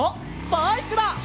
バイクだ！